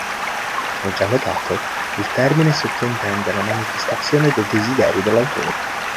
Come già notato, il termine sottintende la manifestazione dei desideri dell'autore.